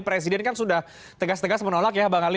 presiden kan sudah tegas tegas menolak ya bang ali